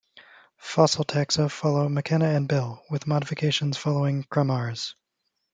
Fossil taxa follow McKenna and Bell, with modifications following Kramarz.